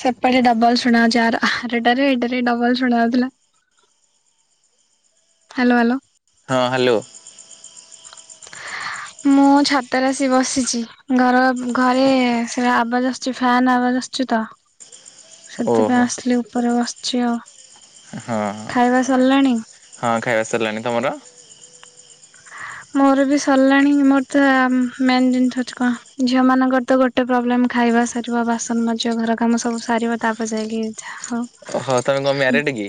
ସେପଟେ ଡବଲ ଶୁଣା ଯାଉଛି ଆରଟାରେ ଏଟାରେ ଡବଲ ଶୁଣା ଯାଉଥିଲା। Hello hello. ହଁ ହ୍ୟାଲୋ। ମୁଁ ଛାତରେ ଆଶି ବସିଛି। ଘର ଘରେ ସେଟା ଆବାଜ ଆସୁଛି ଫ୍ୟାନ ଆବାଜ ଆସୁଛିୁ ତ। ହ [inaudible] ସେଥିପାଇଁ ଆସିଲି ଉପରେ ବସିଛି ଆଉ। ହଁ ହଁ ଖାଇବା ସରିଲାଣି? ହଁ ଖାଇବା ସାରିଲାଣି ତୁମର? ମୋର ବି ସରିଲାଣି ମୋର ତ ମେନ ଜିନିଷ ଅଛି କଣ ଝିଅ ମାନଙ୍କର ତ ଗୋଟେ ଗୋଟ ପ୍ରୋବ୍ଲେମ ଖାଇବା ସାରିବା ବାସନ ମାଜିବ ଘର କାମ ସବୁ ସାରିବା ତାପରେ ଯାଇକି ଯାହା ହଉ। ଓହୋ ତମେ କଣ ମ୍ୟାରେଡ କି?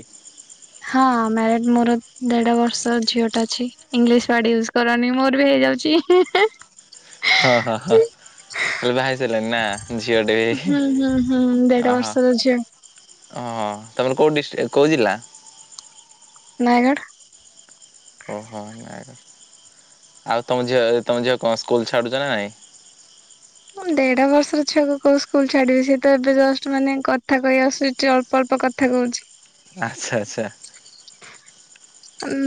ହଁ ମ୍ୟାରେଡ ମୋର ଦେଢ ବର୍ଷ ଝିଅଟା ଅଛି ଇଂଲିଶ ୟୁଜ କରନି ମୋର ବି ହେଇଯାଉଛି ହିଁ ହିଁ ହ ହ ହ ବିଭା ହେଇସାରିଲଣି ନା ଝିଅଟେ। ହୁଁ ହୁଁ ହୁଁ ଦେଢ ବର୍ଷର ଝିଅ। ଅ ତମର କୋଉଁ ଡିଷ୍ଟି କୋଉ ଜିଲ୍ଲା। ନୟାଗଡ଼। ଓହୋ ନାଇ ଆଉ ତମ ଝିଅ ତମ ଝିଅ କଣ ସ୍କୁଲ ଛାଡୁଛ ନା ନାଇଁ। ଦେଢ ବର୍ଷର ଛୁଆକୁ କୋଉ ସ୍କୁଲ ଛାଡିବି ସିଏ ତ ଏବେ ଜଷ୍ଟ ମାନେ କଥା କହି ଆସୁଛି ଅଳ୍ପ। ଅଳ୍ପ କଥା କହୁଛି। ଆଚ୍ଛା ଆଚ୍ଛା। [unintelligible] ଉ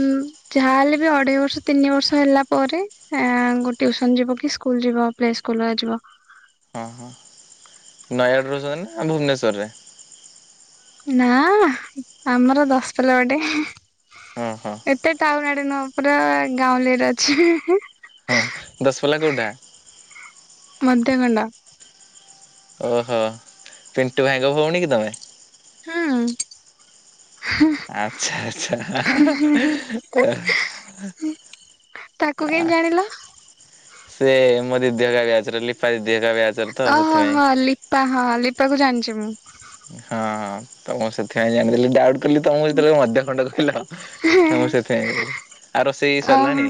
ଯାହାହେଲେ ବି ଅଢେଇ ବର୍ଷ ତିନି ବର୍ଷ ହେଲା ପରେ। ଏଆ ଟିଉସନ ଯିବ କି ସ୍କୁଲ ଯିବ ପ୍ଲେ ସ୍କୁଲୁ ଆ ଯିବ। ହଁ ହଁ ନୟାଗଡ଼ ରେ ରହୁଛନ୍ତି ନା ଭୁବନେଶ୍ୱରରେ। ନା ଆମର ଦଶ ପଲା ବାଟେ। ହଁ ହଁ ଏତେ ଟାଉନୁ ଆଡେ ନୁହ ପୁରା ଗାଉଁଲି ରେ ଅଛି। ଦଶ ପଲା କୋଉଟା। ମଦ୍ୟ ଗଣ୍ଡା। ଓହୋ ପିଣ୍ଟୁ ଭାଇ ଙ୍କ ଭଉଣୀ କି ତମେ। ହୁଁ। ଆଚ୍ଛା ଆଚ୍ଛା। ତାକୁ କେମିତି ଜାଣିଲ। ସେ ମୋ ଦିଦି ହେରିକା ବ୍ୟଚ ରେ ଲିପା ଦିଦି ହେରିକା ବ୍ୟଚ ରେ। ଓହୋ ହୋ ଲିପା ହଁ ଲିପା କୁ ଜାଣିଛି ମୁଁ। ହଁ ତ ମୁଁ ସେଥିପାଇଁ ଜାଣିଥିଲି ଡାଉଟୁ। କହିଲି ତମକୁ ଯେତେବେଳେ ମଦ୍ୟ ଖଣ୍ଡ କହିଲ ଆ ମୁଁ ସେଥିପାଇଁ ଆ ରୋଷେଇ ସରିଲାଣି। ଓହୋ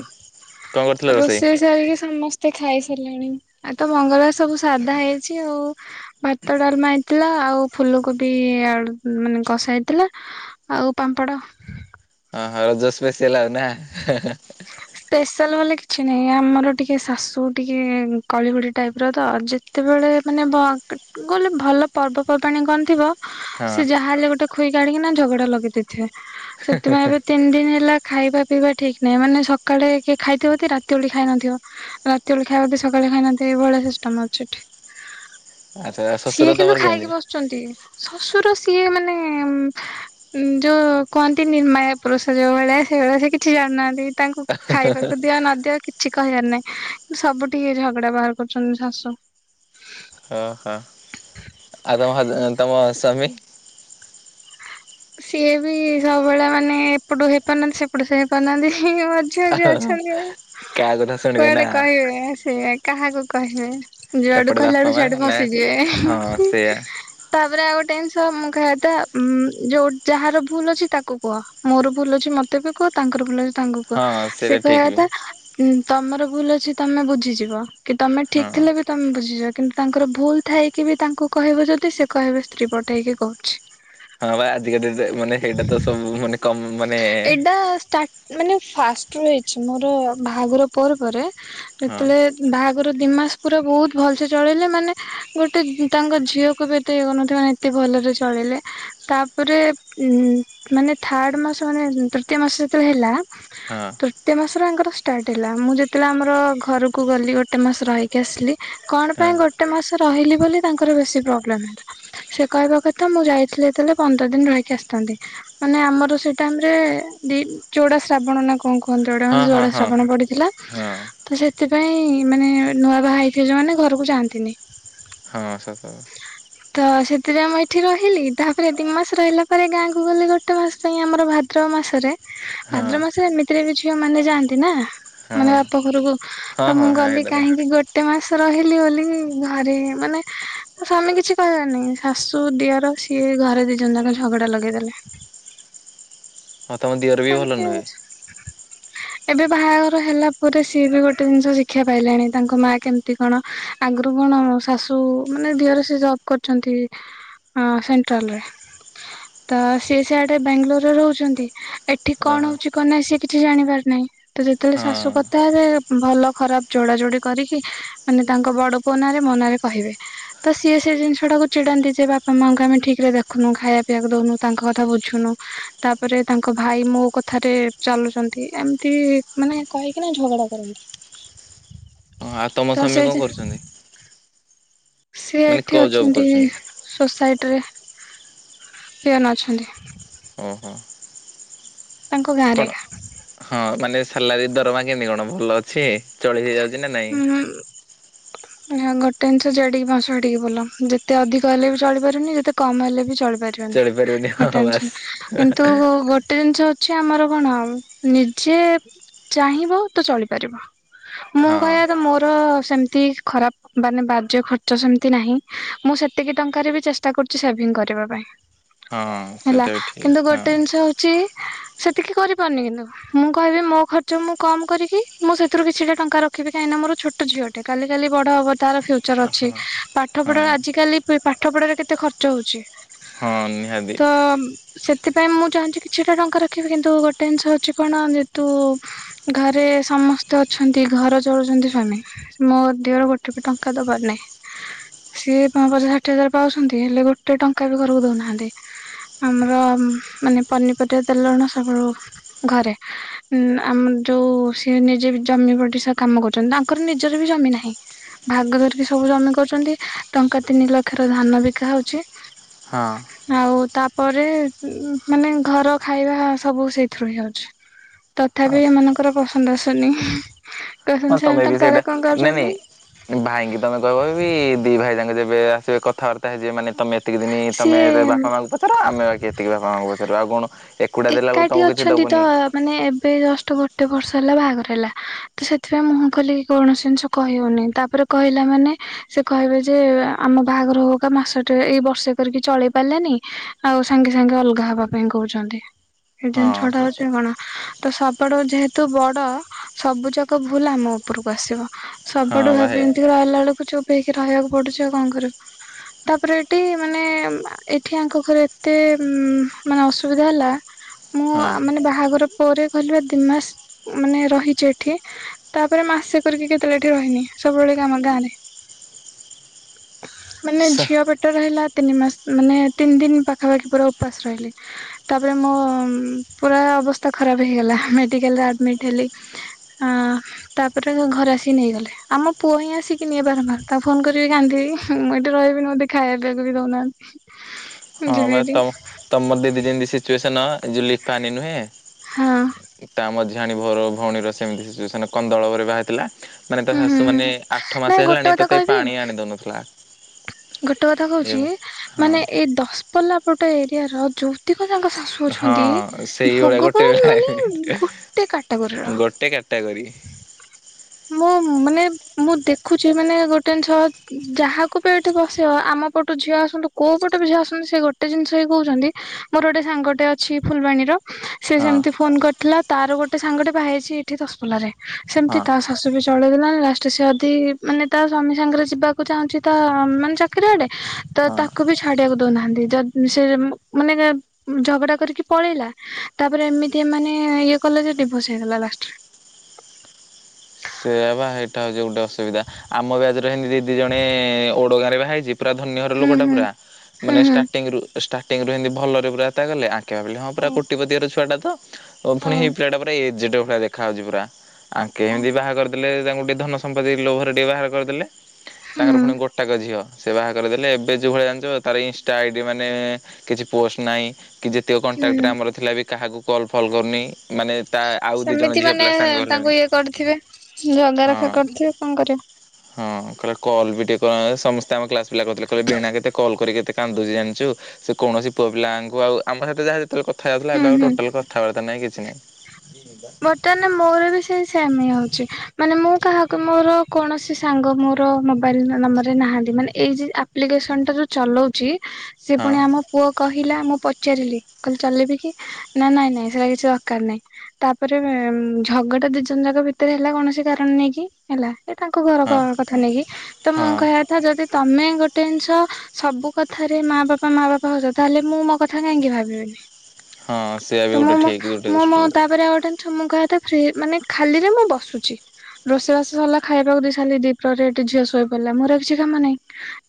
କଣ କରୁଥିଲ ରୋଷେଇ ସାରିକି ସମସ୍ତେ ଖାଇସାରିଲେଣି ଆ ତ ମଙ୍ଗଳବାର ସବୁ ସାଧା ହେଇଛି ଆଉ। ଭାତ, ଡାଲମା ହେଇଥିଲା ଆଉ ଫୁଲ କୋବି ଆଳୁ ମାନେ କଷା ହେଇଥିଲା। ଆଉ ପାମ୍ପଡ଼। ଅ ହଁ ରଜ ସ୍ପେସିଆଲ ଆଉ ନା। ସ୍ପେଶାଲ ବଲେ କିଛି ନାହିଁ ଆମର ଟିକେ ଶାଶୁ ଟିକେ କଳିିହୁଡି ଟାଇପି ର ତ। ସେତେବେଳେ ମାନେ ଭ ଗଲେ ଭଲ ପର୍ବପର୍ବାଣି କଣଥିବ। ହଁ ସେ ଯାହା ହେଲେ ଗୋଟେ ଖୋଇ କି ଆଣିକି ନା ଝଗଡା ଲଗେଇ ଦେଇଥିବେ ସେଥିପାଇଁ ଏବେ ତିନି ଦିନି ହେଲା। ଖାଇବା, ପିଇବା ଠିକ ନାହିଁ ମାନେ ସକାଳେ କିଏ ଖାଇଥିବ କି ରାତିବେଳେ ଖାଇ ନଥିବ। ରାତି ବେଳେ ଖାଇବା ସକାଳେ ଖାଇନଥିବେ ଏଇଭଳିଆ ସିଷ୍ଟମ ଅଛି ଏଠି। ଆଚ୍ଛା ସିଏ ଶ୍ୱଶୁର କିନ୍ତୁ ତମର କେମିତି? ଖାଇକି ବସୁଛନ୍ତି ଶଶୁର ସିଏ ମାନେ। ଉଁ ଯୋଉ କୁହନ୍ତି ନିର୍ମାୟା ପୁରୁଷ ଯୋଉ ଭଳିଆ ସେଇଭଳିଆ ସେ କିଛି ଜାଣିନାହାନ୍ତି ତାଙ୍କୁ। ଖାଇବାକୁ ଦିଅ ନଦିଅ କିଛି କହିବାର ନାହିଁ କିନ୍ତୁ ସବୁ ଠିକି ଝଗଡା ବାହାର କରୁଛନ୍ତି ଶାଶୁ। ଅ ହଁ ଆଉ ତମ ହଜ ତମ ସ୍ୱାମୀ। ସିଏ ବି ସବୁବେଳେ ମାନେ ଏପଟୁ ହେଇପାରୁନାହାନ୍ତି ସେପଟୁ ସେ ହେଇପାରୁନାହାନ୍ତି। ସିଏ ମଝି, ମଝି ଅଛନ୍ତି କାହା କଥା ଶୁଣିବେ ନା କୁଆଡେ କହିବେ ସେଇଆ। କାହାକୁ କହିବେ ଯୁଆଡୁ ଏପଟେ କହିଲା ବାପା ବେଳୁ ମା ସିଆଡୁ ନା ହଁ ଫସିଯିବେ। ସେଇଆ ତାପରେ ଆଉ ଗୋଟେ ଜିନିଷ ମୁଁ ଖାଇବା କଥା ଉଁ। ଯୋଉ ଯାହାର ଭୁଲ ଅଛି ତାକୁ କୁହ ମୋର ଭୁଲ ଅଛି ମତେ ବି କୁହ ତାଙ୍କର ଭୁଲ ଅଛି। ତାଙ୍କୁ କୁହ ହଁ ସେଇଟା ସେ ଠିକ କହିବା ବି କଥା। ହୁଁ ତମର ଭୁଲ ଅଛି ତମେ ବୁଝିଯିବ କି ତମେ ଠିକ ହଁ ଥିଲା ବି। ତମେ ବୁଝିଯିବ କିନ୍ତୁ ତାଙ୍କର ଭୁଲ ଥାଇକି ବି ତାଙ୍କୁ କହିବ ଯଦି ସେ କହିବେ ସ୍ତ୍ରୀ ପଟେ ହେଇକି କହୁଛି। ହଁ ବା ଆଜିକା ଡେଟ ମାନେ ସେଇଟା ତ ସବୁ ମାନେ କମ ମାନେ। ନେ ଷ୍ଟାଟ୍ ମାନେ ଫାଷ୍ଟ ରହିଛି ମୋର ବାହାଘର ପରେ ପରେ ହଁ ଯେତେବେଳେ। ବାହାଘର ଦିଇମାସ ପୁରା ବହୁତ ଭଲ ସେେ ଚଳେଇିଲଲେ ମାନେ ଗୋଟେ ତାଙ୍କ ଝିଅକୁ ବି ଏତେଇ କରୁନଥିବେ ମାନେ। ଏତେ ଭଲରେ ଚଳେଇିଲେ ତା। ପରେ ଉ ମାନେ ଥାର୍ଡ ମାସ ମାନେ ତୃତୀୟ ମାସ ଯେତେବେଳେ ହେଲା। ହଁ ତୃତୀୟ ମାସର ଆଙ୍କର ଷ୍ଟାର୍ଟ ହେଲା ମୁଁ ଯେତେବେଳେ ଆମର ଘରକୁ ଗଲି ଗୋଟେ ମାସ ରହିକି ଆସିଲି। କଣ ପାଇଁ ଗୋଟେ। ଗୋଟେ ମାସ ରହିଲି ବୋଲି ତାଙ୍କର ବେଶି ପ୍ରୋବ୍ଳେମ ହେଲା ସିଏ କହିବା କଥା ମୁଁ ଯାଇଥିଲି ଯେତେବେଳେ ପନ୍ଦର ଦିନ ରହିକି ଆସିଥାନ୍ତି ମାନେ ଆମର ସେ ଟାଇମ ରେ ଦ ଯଡା ଶ୍ରାବଣ ନା। କଣ କୁହନ୍ତିୁ ଏୋଟେ ହଁ ହଁ ଜଡ଼ା ହଁ ଶ୍ରାବଣ ପଡିଥିଲା। ହଁ ହଁ ତ ସେଥିପାଇଁ ମାନେ ନୂଆ ବାହା ହେଇଥିବେ ଯଉ ମାନେ ଘରକୁ ଯାଆନ୍ତିନି। ହଁ ସତ। ତ ସେଥିପାଇଁ ମୁଁ ଏଇଠି ରହିଲି ତା। ତାପରେ ଦି ମାସ ରହିଲା ପରେ ଗାଁକୁ ଗଲେ ଗୋଟେ ମାସ ପାଇଁ ଆମର ଭାଦ୍ରବ ମାସରେ। ହଁ ଭାଦ୍ର ମାସରେ ଏମିତିରେ ବି ଝିଅ ମାନେ ଯାଆନ୍ତି ନା ହଁ ମାନେ ହଁ ବାପ ଘରକୁ। ହଁ ତ ହଁ ମୁଁ ଗଲି ହେଇଟା ତ କାହିଁକି ଗୋଟେ। ଟେ ମାସ ରହିଲି ବୋଲି ଘରେ ମାନେ ସ୍ୱାମୀ କିଛି କହିବେନି ଶାଶୁ ଦିଅର ସିଏ। ଘରେ ଦି ଜନ ଯାକ ଝଗଡା ଲଗେଇଦେଲେ। ହଁ ତମ ଦିଅର ବି ଭଲ ଏମତି ନୁହେଁ ଅଛି [inaudible] ଏବେ ବାହାଘର ହେଲା ପରେ ସିଏ ବି ଗୋଟେ ଜିନିଷ ଶିକ୍ଷା ପାଇଲାଣି ତାଙ୍କ ମା କେମିତି କଣ। ଆଗରୁ କଣ ଶାଶୁ ମାନେ ଦିଅର ସେ ଜବ କରଛନ୍ତି। ଅ ସେଣ୍ଟ୍ରାଲରେ ତ ସିଏ ସେଆଡେ ବାଙ୍ଗାଲୋରରେ ରହୁଛନ୍ତି। ଏଠି କଣ ଓହୋ ହଉଛି କ ନାହିଁ ସି କିଛି ଜାଣିପାରୁ ନାହିଁ। ତ ଯେତେବେଳେ ହଁ ଶାଶୁ କଥା ହେବେ ଭଲ ଖରାପ ଯୋଡା ଯୋଡି କରିକି ମାନେ ତାଙ୍କ ବଡ ପୁଅ ନା ରେ ମ ନାରେ କହିବେ ତ ସିଏ ସେ ଜିନିଷ ଟାକୁ ଚିଡାନ୍ତି ଯେ ବାପା ମାଆଙ୍କୁ ଆମେ ଠିକ ରେ ଦେଖୁନୁ ଖାଇବା ପିଇବାକୁ ଦଉନୁ ତାଙ୍କ କଥା ବୁଝୁନୁ ତାପରେ ତାଙ୍କ ତାଙ୍କ ଭାଇ ମୋ କଥାରେ ଚାଲୁଛନ୍ତି ଏମତି ମାନେ କହିକିନା ଝଗଡା କରନ୍ତି ହ ଆଉ ତମ ତ ସେ ସ୍ବାମୀ କଣ ଯେ କରୁଛନ୍ତି ସିଏ ମାନେ ଏଇଠି କୋଉ ଜବ୍ ଅଛନ୍ତି କରୁଛନ୍ତି ସୋସାଇଟିରେ ପିଅନ ଅଛନ୍ତି ଓହୋ ତାଙ୍କ କଣ ଗାଁରେ ଏକା ହଁ ମାନେ ସାଲାରୀ ଦରମା କେମିତି କଣ ଭଲ ଅଛି ଚଳି ହେଇଯାଉଛି ନା ନାଇଁ ହୁଁ ଗୋଟେ ଜିଷ ଜଡିକି ମାସଡିକି ଭଲ ଯେତେ ଅଧିକ ହେଲେ ବି ଚଳିପାରୁନି ଯେତେ କମ ହେଲେ ବି ଚଳିପାରୁ ଚଳିପାରିବନି ହଁ ବାସ୍ କିନ୍ତୁ ଗୋଟେ ଜିନିଷ ଚି ଆମର କଣ ନିଜେ ଚାହିଁବ ତ ଚଳିପାରିବ ମୁଁ କହିବା ହଁ କଥା ମୋର ସେମିତି ଖରାପ ମାନେ ବାଜେ ଖର୍ଚ୍ଚ ସେମିତି ନାହିଁ ମୁଁ ସେତିକି ଟଙ୍କାରେ ବି ଚେଷ୍ଟା କରୁଛି ସେଭିଙ୍ଗ କରିବା ପାଇଁ ହଁ ହେଲା ସେଇଟା ବି ଠିକ୍ କିନ୍ତୁ ହଁ ଗୋଟେ ଜିନିଷ ହଉଛି ସେତିକି କରିପାରୁନି କିନ୍ତୁ ମୁଁ କହିବି ମୋ ଖର୍ଚ୍ଚ ମୁଁ କମ କରିକି ମୁଁ ସେଥିରୁ କିଛିଟା ଟଙ୍କା ରଖ ପଖ ବି କାହିଁକ ନା ମୋର ଛୋଟ ଝିଅଟେ କାଲି କାଲି ବଡ଼ ହବ ତାର ଫ୍ୟୁଚର ଅଛି ହଁ ପାଠ ହଁ ପଢା ଆଜିକାଲି ବେ ପାଠ ପଢାରେ କେତେ ଖର୍ଚ୍ଚ ହଉଛି ହଁ ନିହାତି ତ ସେଥିପାଇଁ ମୁଁ ଚାହୁଁଛି କିଛିଟା ଟଙ୍କା ରଖିବି କିନ୍ତୁ ଗୋଟେ ଜିନିଷ ହଉଛି କଣ ଯେହେତୁ ଘରେ ସମସ୍ତେ ଅଛନ୍ତି ଘର ଚଳୁଛନ୍ତି ସ୍ଵାମୀ ମୋ ଦେହର ଗୋଟେ ବି ଟଙ୍କା ଦବାର ନାଇଁ। ସିଏ ପଚା ଷାଠିଏ ହଜାର ପାଉଛନ୍ତି ହେଲେ ଗୋଟେ ଟଙ୍କା ବି ଘରକୁ ଦଉନାହାନ୍ତି। ଆମର ମାନେ ପନିପରିବା ତେଲ ଲୁଣ ସବୁ ରୁ ଘରେ ଆମର ଯୋଉ ସିଏ ନିଜେ ଜମି ବଡି ସ କାମ କରୁଛନ୍ତି ତାଙ୍କର ନିଜର ବି ଜମି ନାହିଁ। ଭାଗ ଧରିକି ସବୁ ଜମି କରୁଛନ୍ତି ଟଙ୍କା ତିନି ଲକ୍ଷ ର ଧାନ ବିକା ହଉଛି। ହଁ। ଆଉ ତାପରେ ଉଁ ମାନେ ଘର ଖାଇବା ସବୁ ସେଇଥିରୁ ହିଆଉଛି। ତଥାପି ଆଚ୍ଛା ଏମାନଙ୍କର ପସନ୍ଦ ଆସୁନି ହଁ କହୁଛନ୍ତି ତମେ ଶଳା ବି ସେଇଟା ତକାରିରେ କଣ ନାଇଁ କରୁଚନ୍ତୀ? ନାଇଁ ଭାଇଙ୍କି ତମେ କହିବ ବି ଦି ଭାଇ ଯାକ ଯେବେ ଆସିବେ କଥାବାର୍ତ୍ତା ହେଇଯିବ ମାନେ ତମେ ଏତିକି ଦିନ ତମେ ସିଏ ବାପା ମାଙ୍କୁ ପଚାର ଆମେ ବାକି ଏତିକି ବାପା ମାଙ୍କୁ ପଚାରିବା ଆଉ କଣ ଏକୁଟିଆ ଦେଲା ବେଳକୁ ଏକାଠି ତମକୁ କିଛି ଅଛନ୍ତି ତ ଦବନି ମାନେ ଏବେ ଜଷ୍ଟ ଗୋଟେ ବର୍ଷ ହେଲା ବାହାଘର ହେଲା ତ ସେଥିପାଇଁ ମୁହଁ ଖୋଲିକି କୌଣସି ଜିନିଷ କହି ହଉନି ତାପରେ କହିଲା ମାନେ ସେ କହିବେ ଯେ ଆମ ବାହାଘର ହଉବକା ମାସ ଟେ ଏଇ ବର୍ଷେ କରିକି ଚଳେଇ ପାଲାନି। ଆଉ ସାଙ୍ଗେ ସାଙ୍ଗେ ଅଲଗା ହବା ପାଇଁ କହୁଛନ୍ତି ଏଦିନ ହଁ ଛଡା ସେଟା ହଉଛି କଣ? ତ ସବଡ ଯେହେତୁ ବଡ ସବୁ ଯାକ ଭୁଲ୍ ଆମ ଉପରକୁ ଆସିବ। ହଁ ସବୁଆଡୁ ବା ଭାବି ହେ ଏମତି ରହିଲା ବେଳକୁ ଚୁପ୍ ହେଇକି ରହିଆକୁ ପଡୁଛି ଆଉ କଣ କରିବ। ତାପରେ ଏଠି ମାନେ ଏଠି ଆଙ୍କ ଘରେ ଏତେ ଉଁ ମାନେ ଅସୁବିଧା ହେଲା ମୁଁ ଆ ହଁ ମାନେ ବାହାଘର ପରେ କହିଲୁ ଦି ମାସ ମାନେ ରହିଛି ଏଠି ତାପରେ ମାସେ କରିକି କେତେବେଳେ ଏଠି ରହିନି ସବୁବେଳେ ଆମ ଗାଁ ରେ। ହ ମାନେ ଝିଅ ପେଟ ରହିଲା ତିନି ମାସ ମାନେ ତିନି ଦିନ ପାଖାପାଖି ପୁରା ଉପାସ ରହିଲି। ହଁ ତାପରେ ମୋ ପୁରା ଅବସ୍ଥା ଖରାପ ହେଇଗଲା ମେଡ଼ିକାଲରେ ଆଡ଼ମିଟ୍ ହେଲି। ହଁ। ତାପରେ ଘରେ ଆସିକି ନେଇଗଲେ ଆମ ପୁଅ ହିଁ ଆସିକି ନିଏ ବାରମ୍ବାର ତା ଫୋନ କରି କାନ୍ଦିବି। ମୁଁ ଏଠି ରହିବିନି ମତେ ଏଠି ଖାଇଆକୁ ପିଆକୁ ବି ଦଉନାହାନ୍ତି। ହଁ ଯିବି ବା ହେରି ତମ ତମ ଦିଦି ଯେମତି ସିଚୁଏସନ ଏ ଯୋଉ ଲିପା ଆନି ନୁହେଁ। ହଁ ଏ ତା ମଝିଆଣି ଭଅର ଭଉଣୀର ସେମିତି ସିଚୁଏସନ୍ କନ୍ଦଳବରେ ବାହା ହେଇଥିଲା। ମାନେ ତା ହୁଁ ଶାଶୁ ହୁଁ ମାନେ ଆଠ ନାଇଁ ମାସ ଗୋଟେ ହେଲାଣି କଥା ତଥାପି କହିବି ପାଣି ଆଣି ଦଉନଥିଲା। ଗୋଟେ କଥା ଇଏ କଉଚି ହଁ ମାନେ ଏଇ ଦଶପଲ୍ଲା ପଟେ ଏରିଆର ଯୋଉ ଯେତିକ ଯାକ ଶାଶୁ ଅଛନ୍ତି ହଁ ସେଇଭଳିଆ ଗୋଟେ ଭଗବାନ ମାନେ ବେଳେ ଉଁ ଗୋଟେ କାଟାଗୋରୀର। ଟାଗରି। ମୁଁ ମାନେ ମୁଁ ଦେଖୁଛି ମାନେ ଗୋଟେ ଜିନଷ ଯାହାକୁ ବି ଏତେ ବସିବ ଆମ ପଟୁ ଝିଅ ଆସନ୍ତୁ କୋଉ ପଟ ବି ଝିଅ ଆସନ୍ତୁ ସେ ଗୋଟେ ଜିନିଷ ହି କହୁଚନ୍ତି। ମୋର ଗୋଟେ ସାଙ୍ଗଟେ ଅଛି ଫୁଲବାଣୀର। ସେ ହଁ ସେମିତି ଫୋନ କରିଥିଲା ତାର ଗୋଟେ ସାଙ୍ଗଟେ ବାହା ହେଇଛି ଏଇଠି ଦଶପଲ୍ଲା ରେ ହଁ ସେମିତି ତା ସ ଶାସୁ ବି ଚଳେଇ ଦେଲାଣି ଲାଷ୍ଟରେ ସେ ଅଦି ମାନେ ତା ସ୍ୱାମୀ ସାଙ୍ଗେରେ ଯିବାକୁ ଚାହୁଁଚି ତା ତା ମାନେ ଚାକିରି ଆଡେ ତ ହଁ। ତାକୁ ବି ଛାଡିଆକୁ ଦଉନାହାନ୍ତି ଯଦି ସେ ମାନେ ଏ ଝଗଡା କରିକି ପଳେଇଲା ତାପରେ ଏମିତି ଏମାନେ ଇଏ କଲେ ଯେ ଡିଭୋର୍ସ ହେଇଗଲା ଲାଷ୍ଟରେ। ସେଆ ବା ଏଟା ହଉଛି ଗୋଟେ ଅସୁବିଧା ଆମ ବ୍ୟାଚ ରେ ଏମିତି ଦିଦି ଜଣେ ଓଡ ଗାଁରେ ବା ହେଇଚି। ପୁରା ଧନୀଘର ହୁଁ ଲୋକଟା ହୁଁ ପୁରା ହୁଁ ମାନେ ହୁଁ। ଷ୍ଟାର୍ଟିଂରୁ ଷ୍ଟାର୍ଟିଂରୁ ଏମତି ଭଲରେ ପୁରା ଏତା ଗଲେ ଆ ଖିଆ ବେଲେ ହଁ ପୁରା ହୁଁ କୋଟିପତି ଘର ଛୁଆଟା ତ ଓ ଫୁଣି ହଁ। ପିଲାଟା ପୁଣି ଏଜେଟ ଭଳିଆ ଦେଖା ହଉଛି ପୁରା। ଆଙ୍କେ ଏମିତି ବାହା କରିଦେଲେ ତାଙ୍କୁ ଟିକେ ଧନ ସମ୍ପତ୍ତି ଲୋଭରେ ଟିକେ ବାହାକରି ଦେଲେ ହୁଁ ତାଙ୍କର ପୁଣି ଗୋ ତାଙ୍କ ଝିଅ ସେ ବାହା କରିଦେଲେ ଏବେ ଯୋଉ ଭଳିଆ ଜାଣିଛ ତାର ଇନଷ୍ଟା ଆଇଡି ମାନେ କିଛି ପୋଷ୍ଟ ନାଇଁ କି ଯେତିକ ହୁଁ କଣ୍ଟାକ୍ଟରେ ଆମର ଥିଲା ବି କାହାକୁ କଲ୍ ଫଲ୍ କରୁନେଇ ମାନେ ତା ଆଉ ଦି ଜଣ ସେମିତି ଝିଅ ମାନେ ପିଲା ସାଙ୍ଗ ଗଲେଣି। ତାଙ୍କୁ ଇଏ କରିଥିବେ ଜଗା ରଖା କରିଥିବେ କଁ କରିବ ହଁ କଇଲେ କଲ ବି ଟିକେ କରୁନେଇ ସମସ୍ତେ ଆମ କ୍ଲାସ ପିଲା କଉଥିଲେ କଇଲେ ବେଣା କେତେ କଲ୍ କରେ କେତେ କାନ୍ଦୁଚି ଜାଣିଚୁ ସେ କୌଣସି ପୁଅ ପିଲାମାନଙ୍କୁ ଆଉ ଆମ ସାହିତ ଯାହା ଯେତେବେଳେ କଥା ହେଯାଉଥିଲା ହୁଁ ଏବେ ଆଉ ହୁଁ। ଟୋଟାଲ କ କଥାବାର୍ତ୍ତା ନାଇଁ କିଛି ନାଇଁ। ବର୍ତ୍ତମାନ ମୋର ବି ସେଇ ସେମ୍ ହିଁ ହଉଛି, ମାନେ ମୁଁ କାହାକୁ ମୋର କୌଣସି ସାଙ୍ଗ ମୋର ମୋବାଇଲ ନ ନମ୍ବରରେ ନାହାନ୍ତି। ମାନେ ଏଇ ଯ ଆପ୍ଲିକେସନ ଟା ଯୋଉ ଚଲଉଚି ସିଏ ହଁ ପୁଣି ଆମ ପୁଅ କହିଲା ମୁଁ ପଚାରିଲି କଇଲି ଚଲେଇବି କି ନା ନାଇଁ ନାଇଁ ସେଇଟା କିଛି ଦରକାର ନାଇଁ। ତାପରେ ଉଁ ଝଗଡା ଦି ଜଣ ଯାଙ୍କ ଭିତରେ ହେଲା କୌଣସି କାରଣ ନେଇକି ହେଲା। ଏ ତାଙ୍କ ଘର କଁ ହଁ କଣ କଥା ନେଇକି ତ ମୁଁ ହଁ କହିଆ କଥା ଯଦି ତମେ ଗୋଟେ ଜିନିଷ ସବୁ କଥାରେ ମା ବାପା ମା ବାପା ହଉଛ ତାହେଲେ ମୁଁ ମୋ କ କଥା କାହିଁକି ଭାବିବେନି। ହଁ ସେଆ ତ ବି ମୋ ଗୋଟେ ମୋ ଠିକ୍ ଗୋଟେ ମୋ ମୋ ଦୃଷ୍ଟିରୁ ତା ତା ପରେ ଆଉ ଗୋଟେ ଜିନିଷ ମୁଁ କହିବା ଏତେ ଫ୍ରି ମାନେ ଖାଲିରେ ମୁଁ ବସୁଛି। ରୋଷେଇବାସ ସରିଲା ଖାଇବାକୁ ଦେଇ ସାରିଲି ଦିପ୍ରହରେ ଏଠି ଝିଅ ଶୋଇ ପଡ଼ିଲା ମୋର ଆଉ କିଛି କାମ ନାଇଁ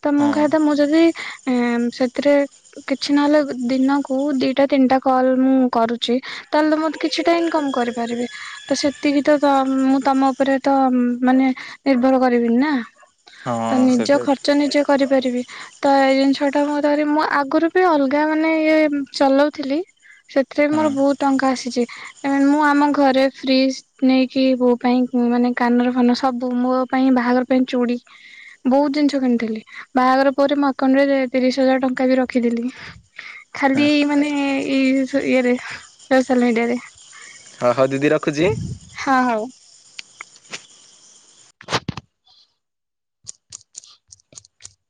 ତ ମୁଁ ହଁ କହିଆ କଥା ମୁଁ ଯଦି ଏଁ ସେଥିରେ କିଛି ନହେଲେ ଗୁ ଦିନକୁ ଦିଟା ତିନିଟା କଲ ମୁଁ କରୁଛି ତାହେଲତ ମୁଁ କିଛିଟା ଇନକମ୍ କରିପାରବି। ତ ସେତିକିତ ତ ମୁଁ ତମ ଓପେରେ ତ ମାନେ ନିର୍ଭର କରିବିନି ନା। ତ ହଁ ନିଜ ସେଟା ଖର୍ଚ୍ଚ ନିଜେ କରିପାରିବି। ତ ଏଇ ଜିନିଷ ଟା ମୁଁ ଧରି ମୁଁ ଆଗୁରୁ ବି ଅଲଗା ମାନେ ଇଏ ଉଁ ଚଲଉଥିଲି। ସେଥିରେ ବି ହଁ ମୋର ବହୁତ ଟଙ୍କା ଆସିଚି ଇ ମୁଁ ଆମ ଘରେ ଫ୍ରିଜ ନେଇକି ବୋଉ ପାଇଁ ଉଁ ମାନେ କାନର ଫାନର ସବୁ ମୋ ପାଇଁ ବାହାଘର ପେଇଁ ଚୁଡି ବହୁତ ଜିନିଷ କିଣିଥିଲି, ବାହାଘର ପରେ ମୋ ଆକାଉଣ୍ଟରେ ରେ ତିରିଶ ହଜାର ଟଙ୍କା ବି ରଖିଥିଲି। ଖାଲି ମାନେ ଇ ସୋ ଇଏରେ ସୋସିଆଲ ମିଡିଆରେ। ହଁ ହଉ ଦିଦି ରଖୁଚି। ହଁ ହଉ।